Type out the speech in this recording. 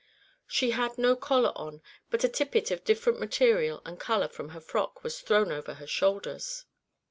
She had no collar on, but a tippet of different material and colour from her frock was thrown over her shoulders.